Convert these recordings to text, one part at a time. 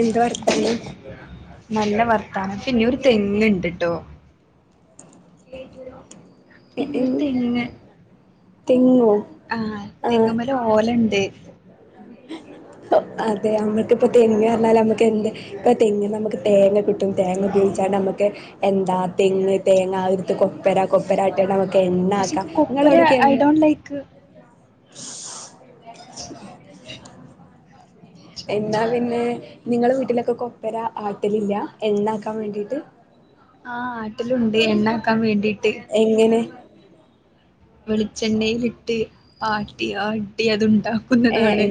എന്ത് വർത്താനം നല്ല വർത്താനം പിന്നെരു തെങ്ങ് ഇണ്ട്ട്ടോ എ എൻ പിന്നെരു തെങ്ങ് തെങ്ങോ ആഹ്‌ ആഹ് തെങ്ങുമേല് ഓല ഒണ്ട് [inaudible] അതെ അമ ഇപ്പോ തെങ്ങ് കാരണാല് അമ്മക്ക് എന്ത് ഇപ്പോ തെങ്ങേന്ന് നമുക്ക് തേങ്ങ കിട്ടും തേങ്ങ ഉപയോഗിച്ചാല് നമുക്ക് എന്താ തെങ്ങ് തെങ്ങയെടുത്ത് കൊ [unintelligible] കൊപ്ര ആട്ടാം നമ്മുക്ക് പക്ഷെനിക്ക് കൊപ്ര ഐ ഡോണ്ട് ലൈക്ക് [inaudible] എന്നാ പിന്നെ നിങ്ങളടെ വീട്ടിലൊക്കെ കൊപ്ര ആട്ടലില്ല എണ്ണയാക്കാൻ വേണ്ടിയിട്ട് ആഹ് ആട്ട വീട്ടിലുണ്ട് എണ്ണക്കാൻ വേണ്ടിട്ട് എങ്ങനെ വെളിച്ചെണ്ണയില് ആട്ടി ആ ആട്ടി ആട്ടി അതുണ്ടാക്കുന്നതാണ്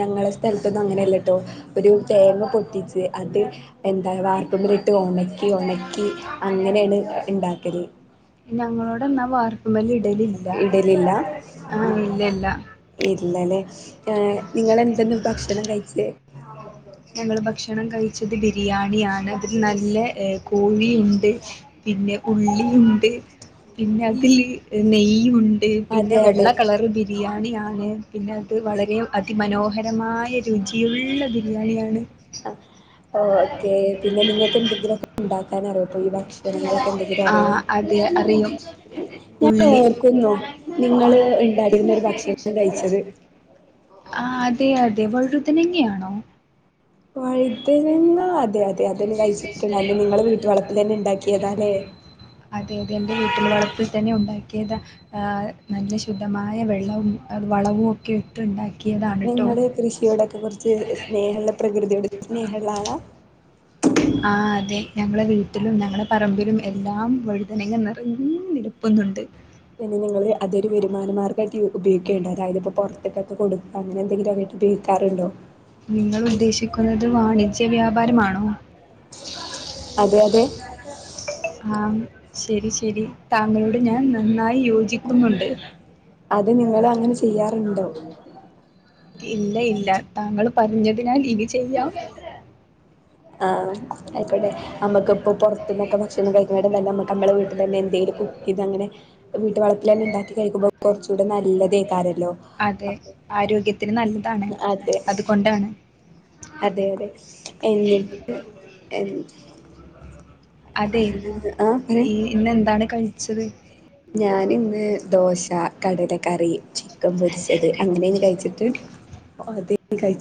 ഞങ്ങടെ സ്ഥലത്തൊന്നും അങ്ങനെയല്ലട്ടോ ഒരു തേങ്ങ പൊട്ടിച്ച് അത് എന് അത് വാർപ്പമെഇട്ട് ഒണക്കി ഒണക്കി അങ്ങനെയാണ് ഉണ്ടാക്ക ല് ഞങ്ങളോടന്നാ ഇടലില്ല ആ ഇല്ലല്ല ല്ലല്ലേ ഏ നിങ്ങളെന്തെന്ന് ഭക്ഷണം കഴിച്ചെ ഞങ്ങൾ ഭക്ഷണം കഴിച്ചത് ബിരിയാണിയ ആ അതിൽ നല്ല കോഴിയുമൊണ്ട് പിന്നെ ഉള്ളിയുണ്ട് പിന്നെ അതിൽ നെയ്യുണ്ട് പിന്നെ അതെ വെള്ള അതെ കളറ് ബിരിയാണിയാണ് പിന്നെ അത് വളരെ അതിമനോഹരമായ രുചിയുള്ള ബിരിയാണിയാണ് ആഹ് ഓക്കെ പിന്നെ നിങ്ങക്ക് എന്തെങ്കിലും ഒക്കെ ഉണ്ടാക്കാൻ അറിയോ ഒഴിവാക്കി ആ അതെ അറിയും ഞാൻ ഉള്ളി ഓർക്കുന്നു നിങ്ങള് ഉണ്ടാക്കിയിരുന്ന ഒരു ഭക്ഷണം കഴിച്ചത് ആ അതെ അതെ വഴു വഴുതനങ്ങയാണോ വഴുതനങ്ങ അതെ അതെ അതെല്ലാം കഴിച്ചിട്ടുണ്ട് അത് നിങ്ങളെ വീട്ടു വളപ്പിൽ തന്നെ ഉണ്ടാക്കിയതാല്ലേ അതെതെ എന്റെ വീട്ടില് വളപ്പ തന്നെ ഉണ്ടാക്കിയതാ നല്ല ശുദ്ധമായ വെള്ളവും വളവും ഒക്കെ ഇട്ട്ണ്ടാക്കി നിങ്ങള്ടെ കൃഷിയോടൊക്കെ കുറച്ച് സ്നേഹ പ്രകൃ പ്രതിയോട് സ്നേഹള്ള ആളാ [unintelligible] ആ അതെ ഞങ്ങളുടെ വീട്ടിലും ഞങ്ങളടെ പറമ്പിലും എല്ലാം വഴുതനങ്ങ നിരയെ നിരപ്പുന്നുണ്ട് പിന്നെ നിങ്ങള് അതൊരു വരുമാനമാർ ഉപയോഗിക്കേണ്ട് അതായത് ഇപ്പ പുറ ൊക്കെ കൊടു അങ്ങനെ എന്തെങ്കിലൊക്കെട്ട് ഉപയിക്കാറുണ്ടോ നിങ്ങൾ ഉദ്ദേശിക്കുന്നത് വാണിജ്യ വ്യാപാരമാണോ? അതെ അതെ ആഹ് ശരി ശ രി താങ്കളോട് ഞാൻ നന്നായി യോജിക്കുന്നുണ്ട് അത് നിങ്ങള് അങ്ങനെ ചെയ്യാറുണ്ടോ? ഇല്ല ഇല്ല താങ്കളും പറഞ്ഞത് ഞാ ഇനി ചെയ്യാം. ആഹ് അയിക്കോട്ടെ നമുക്ക് പ്പോ പൊർത്ത്ന്നൊക്കെ ഭക്ഷണം കഴിക്ണാട്ടിലും നല്ലെ നമ നമ്മളെ വീട്ടിലെന്നെ എന്തെങ്ലും കുക്ക് ചെയതങ്ങനെ വീട്ട് വളത്തിലന്നെ ഉണ്ടാക്കി കഴിക്കുമ്പം കുറച്ച് കൂടെ നല്ലതേക്കാരം അതെ ആരോഗ്യത്തിന് നല്ലതാണ് അതെ അതുകൊണ്ടാണ്. അതെ അതെ എന്നിട്ട് എന്ന് അതെ ആ പറയ് ഈ ഇന്നെന്താണ് കഴിച്ചത്? ഞാനിന്ന് ദോശ കടല കറി ചിക്കൻ പൊരിച്ചത് അങ്ങനെയങ്ങ് കഴിച്ചിട്ട് അതി [unintelligible]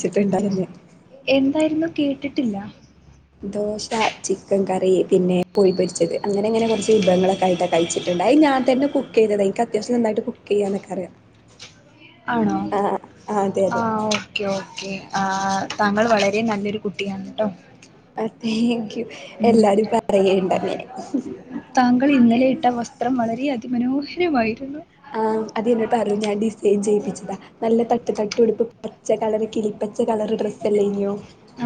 എന്തായിരുന്നു കേട്ടിട്ടില്ല ദോശ ചിക്കൻ ക റി പിന്നെ കോഴി പൊരിച്ചത് അങ്ങനെങ്ങന കൊറച്ച് വിവങ്ങളൊക്കായിട്ട കഴിച്ചിട്ടുണ്ടയ് അത് ഞാൻ തന്നെ കുക്ക് ചെയ്തതാ ഇൻക്ക ജസ്റ്റ് നന്നായിട്ട് കുക്ക് ചെയ്യാനൊക്കെ അറിയാം ആണോ ആ അതെ ആ അതെ ഓക്കേ ഓക്കേ ആഹ് താങ്കൾ വളരെ നല്ലൊരു കുട്ടിയാണ് ട്ടോ താങ്ക് യു ഉം എല്ലാരും പറയണ്ട് അങ്ങനെ താങ്കൾ ഇന്നലെ ഇട്ട വസ്ത്രം വളരെ അധി അതിമനോഹരമായി ആഹ് അത് എന്നോട് പറഞ്ഞാ ഡിസൈൻ. ചെയിപ്പിച്ചതാ നല്ല തട്ട് തട്ടുടുപ്പ് പച്ച കളർ കിളിപ്പച്ച കളർ ഡ്രസ്സ് അല്ലയ്നോ?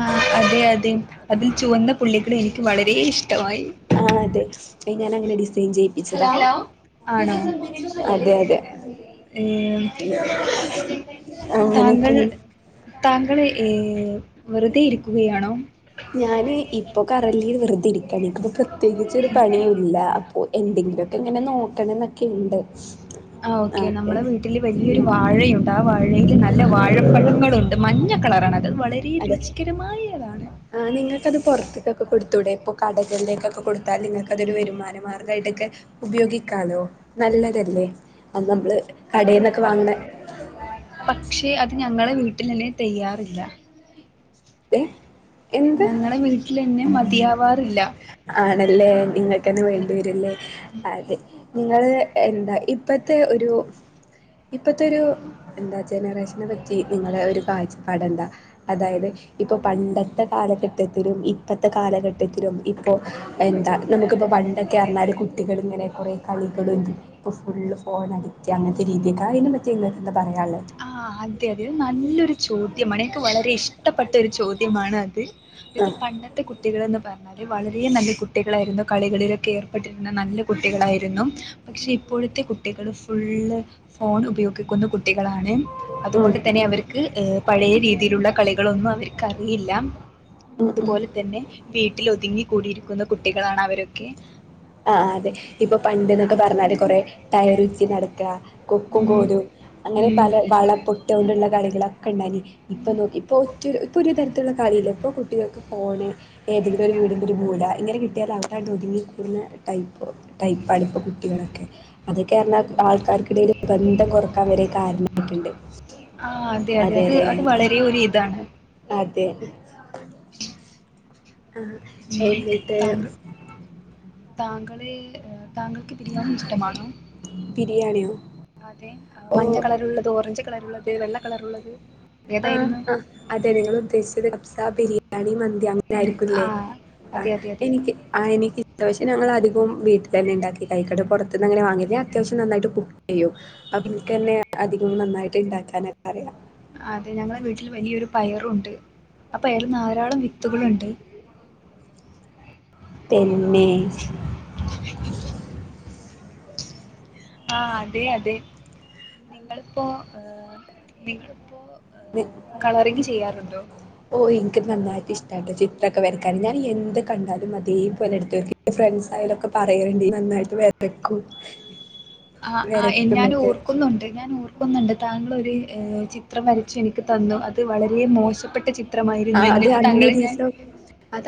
ആഹ് അതെ അതെ അതിൽ ചുവന്ന പുള്ളികൾ എനിക്ക് വളരെ ഇഷ്ടമായി. ഞാനങ്ങനെ ഡിസൈൻ ചെയ് ഹലോ ആണോ അതെ അതെ ഏ അങ്ങനെയൊക്കെ താങ്കൾ താങ്കളെ ഏ ഏ ഞാന് ഇപ്പൊ കറലി വെറുതെ ഇരിക്കയാണ്. എനിക്കിപ്പോ പ്രത്യേകിചൊരു പണിയും ഇല്ല. അപ്പൊ എന്തെങ്കിലും ഒക്കെ ഇങ്ങനെ നോക്കണം എന്നൊക്കെ ഉണ്ട്. ആ ഓക്കെ അതെ. നമ്മളെ വീട്ടിൽ വലിയൊരു വാഴയുണ്ട് ആ വാഴയിൽ നല്ല രുചികരമായയാതാണ്. ആ നിങ്ങൾക്കത് പുറത്തട്ടൊക്കെ കൊടുത്തു തുടെ ഇപ്പോ കടകളിലേക്കൊക്കെ കൊടുത്താൽ നിങ്ങൾക്ക് അതൊരു വരുമാന മാർഗമായിട്ടൊക്കെ ഉപയോഗിക്കാലോ? നല്ലതല്ലേ അത്? നമ്മള് കടയിൽന്നൊക്കെ വാങ്ങണ പക്ഷെ അത് ഞങ്ങളെ വീട്ടി തെകയാറില്ല. [inaudible] ഞങ്ങളെ വീട്ടിലെന്നെ മതിയാവാറില്ല. നല്ലേ നിങ്ങക് തന്നെ അതെ വേണ്ടിവരില്ലേ? അതെ. നിങ്ങള് എന്താ ഇപ്പത്തെ ഒരു ഇപ്പഴത്തെ ഒരു എന്താ ജനറേഷൻ നെ പറ്റി നിങ്ങളെ ഒരു കാഴ്ചപ്പാട് എന്താ? അതായത് ഇപ്പൊ പണ്ടത്തെ കാലഘട്ടത്തിലും ഇപ്പത്തെ കാലഘട്ട മറ്റത്തിലും ഇപ്പോൾ എന്താ നമുക്കിപ്പോൾ പണ്ടൊക്കെ അറിഞ്ഞാൽ കുട്ടികളിങ്ങനെ കുറേ കളികളും, ഇപ്പോൾ ഫുള് ഫോൺഅടിക്റ്റ് അങ്ങനത്തെ രീതിക്കെ അതിനെ പറ്റി പറയാനുള്ളത് ആ അതെ അതെ നല്ലൊരു ചോദ്യമാണ് എനിക്ക് വളരെ ഇഷ്ടപ്പെട്ട ഒരു ചോദ്യമാണ് അത് ഇ ആഹ് പണ്ടത്തെ കുട്ടികൾന്ന് പറഞ്ഞാ വളരെ നല്ല കുട്ടികളായിരുന്നു. കളികളിലൊക്കെ ഏർപ്പെട്ടിരുന്ന നല്ല കുട്ടികളായിരുന്നു. പക്ഷെ ഇപ്പോഴത്തെ കുട്ടികളും ഫുള്ള് ഫോൺ ഉപയോഗിക്കുന്ന കുട്ടി ക്കളാണ് ഉം അതുകൊണ്ട് തന്നെ അവർക്ക് പഴയ രീതിയിലുള്ള കളികളൊന്നും അവർ ക്കറിയില്ല പിന്നെ ഉം ഉം അതുപോലെ തന്നെ വീട്ടിൽ ഒതുങ്ങി കൂടിയിരിക്കുന്ന കുട്ടികളാണ് അവരൊക്കെ ആഹ് ആഹ് അതെ ഇപ്പൊ പണ്ട് എന്നൊക്കെ പറഞ്ഞാല് കൊറെ ടയറുരുറ്റി നടക്കുക കൊക്കും ഉം കോരും അങ്ങനെ ഉം പല വള പൊട്ടൊണ്ടുള്ള കളികളൊക്കെ പനി ഇപ്പൊ നോക്കി ഇപ്പൊ ഒറ്റ ഇപ്പൊ ഒരു തരത്തിലുള്ള കാര്യൂല്ല ഇപ്പൊ കുട്ടികൾക്ക് ഫോണ് ഏതെങ്കിലും ഒരു വീടിന്റെ ഒരു മൂല ഇങ്ങനെ കി ട്ട്യാല് അവടെണ്ട് ഒതുങ്ങിക്കൂടുന്ന ടൈപ്പ് ടൈപ്പാണിപ്പ കുട്ടികളൊക്കെ അതൊക്കെ അറിഞ്ഞാൽ ആൾക്കാർക്കിടയിൽ ബന്ധം കൊറക്കാൻ വരെ കാരണമായിട്ടുണ്ട് ആഹ് അതെ അത് അതെ അത് വളരെ ഒരു ഇതാണ് അതെ ആഹ് ഉം എന്നിട്ട് താങ്കള് താങ്കൾക്ക് ബിരിയാണി ഇഷ്ടമാണോ ബിരിയാണിയോ അതെ മഞ്ഞ ഓ കളറ് ഉള്ളത് ഓറഞ്ച് കളറുള്ളത് [unintelligible] വെള്ള കളർ ഉള്ളത് ആഹ് ആ അതെ നിങ്ങൾ ഉദ്ദേശിച്ചത് കപ്സ ബിരി യാണി മ ന്തി അങ്ങനെ ഉം, ആയിരിക്കൂല്ലേ ആ അതെ അതെ അതെ എനിക്ക് ആ എനിക്ക് ഇപ്രാവശ്യം ഞങ്ങൾ അധികവും വീട്ടി തന്നെ ഇണ്ടാക്കി കഴിക്ക ട്ടോ പുറത്തുനിന്ന് അങ്ങനെ വാങ്ങല്ല ഞാൻ അത്യാവശ്യം നന്നായിട്ട് കുക്ക് ചെയ്യും അപ്പം ഇൻക്കന്നെ അധികം നന്നായിട്ട് ഉണ്ടാക്കാനൊക്കെ അറിയാ അതെ ഞങ്ങളെ വീട്ടിൽ വലിയൊരു പയറുണ്ട് അപ്പൊ [unintelligible] ധാരാളം വിത്തുകളുണ്ട് പിന്നെ [unintelligible] ആഹ് അതെ അതെ നിങ്ങളിപ്പോ നിങ്ങളിപ്പോ ഓഹ് എനിക്ക് നന്നായിട്ട് ഇഷ്ട്ടാട്ടോ ചി ത്രക്കെ വരക്കാന് ഞാൻ എന്ത് കണ്ടാലും അതേപോലെ എടുത്ത് വരക്കും ഫ്രണ്ട്സ് ആയാലു ഒക്കെ പറയല്ണ്ട് നന്നായിട്ട് വരക്കും ആഹ് ആഹ് ഞാൻ വരക്കുന്നൊക്കെ ഓർക്കുന്നുണ്ട് ഞാൻ ഓർക്കുന്നുണ്ട് താങ്കളൊരു ചിത്രം വര ച്ച് എനിക്ക് തന്നു അത് വളരെ മോശപ്പെട്ട ആ ചിത്രമായിരുന്നു അത് എന്നിട്ട് താങ്കളെ ഞാൻ അന്നൊരീസം അത്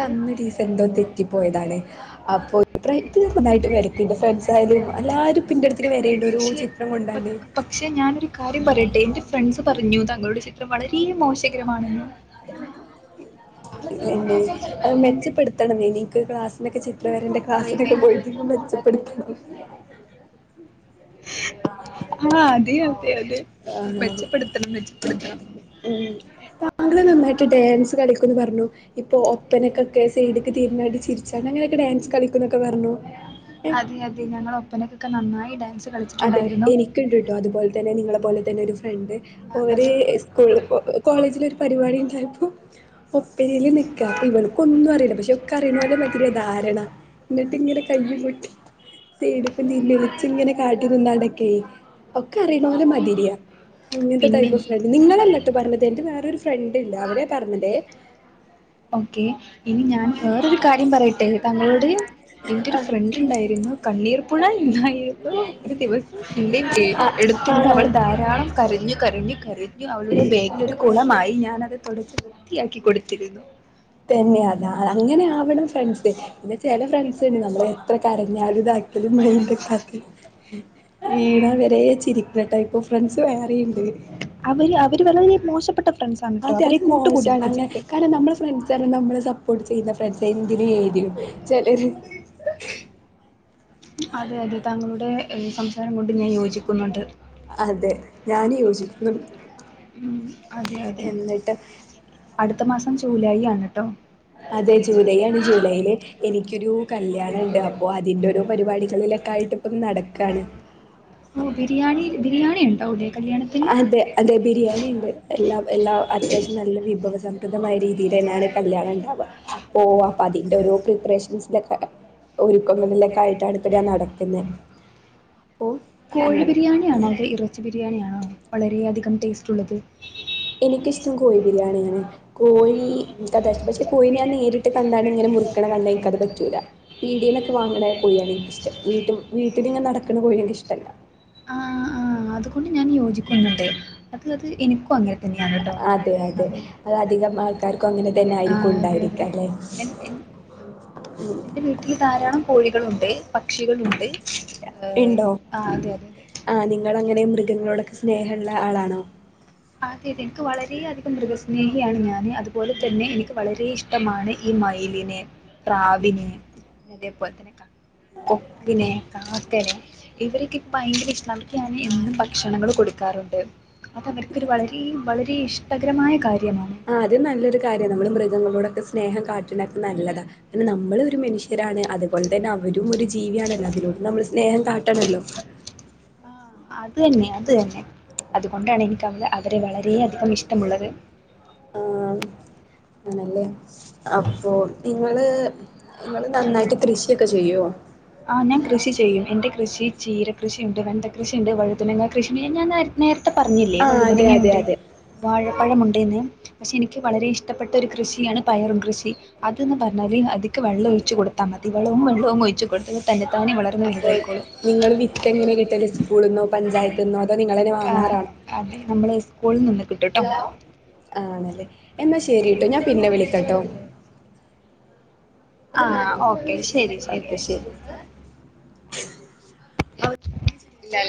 അപ്പോ [unintelligible] നന്നായിട്ട് വരക്കും ട്ടോ ഫ്രണ്ട്സ് ആയാലും എല്ലാരും ഇപ്പോ എന്റെ അടുത്തേക്ക് വരണ്ട് ഒരു പക്ഷെ ചിത്രം പ- കൊണ്ടാണ്ട് പക്ഷെ ഞാനൊരു കാര്യം ത്രം വളരെ മോശകരമാണ് [unintelligible] മെച്ചപ്പെടുത്തണം ന്നെ നിക്ക് ക്ലാസിനൊക്കെ ചി ത്രം വരൻ്റെ ക്ലാസ്സിനൊക്കെ പോയിട്ടിപ്പം മെച്ചപ്പെടുത്തണം ആ അതെയോ അതെ അതെ ആഹ് മെച്ചപ്പെടുത്തണം മെച്ചപ്പെടുത്തണം ഉം ർഞ്ഞു ചിരിച്ചാണ്ട് അങ്ങനെയൊക്കെ ഡാൻസ് കളിക്കുന്നൊക്കെ പറഞ്ഞു ഏഹ് അതെ അതെ ഞങ്ങളൊപ്പനക്ക്‌ ഇക്ക നന്നായി ഡാൻസ് അതെ കളിച്ചിട്ടുണ്ടായിരുന്നു എനിക്കിണ്ട്ട്ടോ അതുപോലെ തന്നെ നിങ്ങളെ പോലെ തന്നെ ഒരു ഫ്രണ്ട് ആ, പ്പൊവര് അതെ സ്കൂല് കോ കോളേജിൽ ഒരു പരിപാടിണ്ടായപ്പോ പും ഒപ്പനേല് നിക്കാ അപ്പൊ ഇവള്ക്ക് ഒന്നും അറിയില്ല പക്ഷെ ഒക്കെ അറിയുന്ന പോലെ മതിരിയാ ധാരണ എന്നിട്ടിങ്ങനെ കൈയ്യുംകൊട്ടി സൈടുക്കും തിരിഞ്ഞു ഇലിച്ചിങ്ങനെ ഉ നടക്കെ ഒക്കെ അറിയണ പോലെ മതിരിയാ അങ്ങനത്തെ പിന്നെ ടൈപ്പ് ഫ്രണ്ട് നിങ്ങളെല്ലട്ടോ പറഞ്ഞത് എന്റെ വേറൊരു ഫ്രൺ ഓക്കെ ഇനി ഞാൻ വേറൊരു കാര്യം പറയട്ടെ തങ്ങളോട് എന്റെ ഒരു ആ ഫ്രണ്ടുണ്ടായിരുന്നു കണ്ണീർപ്പുഴ എന്നായി ഒരു ദിവസം [unintelligible] ആ എടുത്തിരുന്ന് അവൾ ആ, ധാരാളം കരഞ്ഞു കരഞ്ഞു കരഞ്ഞു അവളുടെ ബേഗിലൊരു കുളമായി ഞാനത് തുടച്ച് വൃത്തിയാക്കി കൊടുത്തിരുന്നു തന്നെ അതാ അ അങ്ങനെ ആവണം ഫ്രണ്ട്സ് പിന്നെ ചെല ഫ്രണ്ട്സ്ണ്ട് നമ്മളെത്ര കരഞ്ഞാലും ഇതാക്കലും മൈണ്ടാകാതെ ടൈപ്പ് ഫ്രണ്ട്സ് വേറെയുണ്ട് അവര് അവര് വളരെ മോശപ്പെട്ട ഫ്രണ്ട്സ് അത് മോശമാണ് അങ്ങനെ കാരണം നമ്മള് ഫ്രണ്ട്സാരണം നമ്മള് സപ്പോർട്ട് ചെയ്യുന്ന ഫ്രണ്ട്സെന്നു [unintelligible] ചെലര് അതെ അതെ താങ്കളുടെ സംസാരം കൊണ്ട് ഞാൻ യോജിക്കുന്നുണ്ട് അതെ ഞാന് യോജിക്കുന്നുണ്ട് മ് അതെ അതെ അത് അടുത്ത മാസം ജൂലായി ആണ്‌ ട്ടോ അതെ ജൂലൈ ആണ് ജൂലൈയില് എനിക്കൊരു കല്യാണണ്ട് അപ്പൊ അതിന്റോരോ പരിപാടികളിലൊക്ക ആയിട്ട് ഇപ്പം നടക്കാണ് ടൗടെ കല്യാണത്തിന് [unintelligible] ബിരിയാണിണ്ട് എല്ലാം എല്ലാ അത്യാവശ്യം നല്ല വിഭവസമ്മൃദ്ധമായ രീതിയിലെന്നേണ് കല്യാണണ്ടാവ്വാ. അപ്പോ അപ്പതിന്റൊരു പ്രിപ്പറേഷനിലൊക്ക നടക്കുന്നത് അപ്പോ കോഴി അങ്ങനെ ബിരിയാണിയാണോ അതോ ഇറച്ചി ബിരിയാണിയാണോ? വളരെ അധികം ടേസ്റ്റുള്ളത്. എനിക്കിഷ്ടം കോഴി ബിരിയാണിയാണ്. കോഴി ഇൻക്കതാഇഷ്ട്ടം. പക്ഷേ കോഴിനെ ഞാൻ നേരിട്ട് കണ്ടാണ് ഇങ്ങനെ മുറിക്കണ കണ്ടാ ഇനിക്കത് പറ്റൂല. പീടിയേന്നൊക്കെ വാങ്ങണ കോഴിയാണ് എനിക്കിഷ്ടം വീട്ടിൽ വീട്ടിലിങ്ങനെ നടക്കണ കോഴി എനിക്കിഷ്ടല്ല ആാാ ആ ആ അത് ഞാൻ യോജിക്കുന്നുണ്ട് അത് അത് എനിക്കും അങ്ങനെ തന്നെയാണ് അതെ അതെ അത് അധികം ആൾക്കാർക്കും അങ്ങനെ തന്നെ ആയിരിക്കും ഉണ്ടായിരിക്ക അല്ലെ ട്ടോ [unintelligible] അതിൽ ധാരാളം കോഴികളുണ്ട് പക്ഷികളുണ്ട് ഏഹ് ഇണ്ടോ ആ അതെ അതെ അതെ ആഹ് നിങ്ങളനെ മൃ ഗങ്ങളോടൊക്കെ സ്നേഹള്ള ആളാണോ? അതെ അതെ എനിക്ക് വളരെയധികം മൃഗസ്നേഹിയാണ് ഞാന് അത് അതുപോലെ തന്നെ ഇനിക്ക് വളരെ ഇഷ് ട്ടമാണ് ഈ മൈയിലിനെ പ്രാവിനെ അതേപോലെത്തനെ ക്ക കൊക്കിനെ കാക്കനെ ഇവർക്ക് ഭയങ്കര ഇഷ നമുക്ക് [unintelligible] എന്നും ഭക്ഷണങ്ങൾ കൊടുക്കാറുണ്ട് [unintelligible] ക്കൊരു വളരെ വളരെ ഇഷ് ട്ടകരമായ കാര്യാണ് ആഹ് അത് നല്ലൊരു കാര്യാണ് നമ്മള് മൃഗങ്ങളോടൊക്കെ സ്നേഹം കാട്ടണൊക്കെ നല്ലതാ കാരണം നമ്മളൊരു മനുഷ്യ രാണ് അതുപോലെ തന്നെ അവരും ഒരു ജീവിയാണല്ലോ അതിനോടും നമ്മൾ സ്നേഹം കാട്ടണല്ലോ ആഹ് അതന്നെ അതന്നെ അതുകൊണ്ടാണ് എനി [unintelligible] വളരെ അധി ഇഷ്ടമുള്ളത് ആഹ് ആണല്ലേ അപ്പൊ നിങ്ങള് നിങ്ങള് നന്നായിട്ട് കൃഷിയൊക്കെ ചെയ്യോ? ആഹ് ഞാൻ കൃഷി ചെയ്യും. എന്റെ കൃഷി ചീര കൃഷീണ്ട്, വെണ്ട കൃഷീണ്ട്, വഴുതനങ്ങ കൃഷീണ്ട് ഞാൻ നേര നേര ത്തെ പറഞ്ഞില്ലേ ആഹ് അതെ അതെ വഴുതനങ്ങയുണ്ട് അതെ വാഴ പഴമുണ്ട്ന്ന് പക്ഷെ എനിക്ക് വളരെ ഇഷ്ടപ്പെട്ടൊരു കൃഷിയാണ് പയറും കൃഷി അത് ന്ന് പറഞ്ഞാല് അത് ച്ച് കൊടുത്താ മതി വെള്ളവും ഒഴി [unintelligible] അപ്പൊ നിങ്ങള് വിത്ത് എങ്ങനെ കിട്ടല് സ്കൂളൾന്നോ പഞ്ചായത്ത്ന്നോ അതോ നിങ്ങൾ തന്നെ വാങ്ങാറാണോ [unintelligible] കിട്ടുട്ടോ ആണ് അല്ലെ എന്നാ ശരി ട്ടോ ഞാൻ പിന്നെ വിളിക്കട്ടോ ആ ഓക്കെ ശരി ഒക്കെ ശരി [unintelligible] ഇണ്ടാവുലാ